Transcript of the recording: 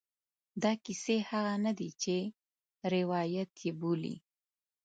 دا کیسې هغه نه دي چې روایت یې بولي.